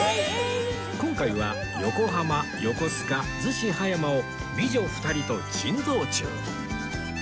今回は横浜横須賀逗子・葉山を美女２人と珍道中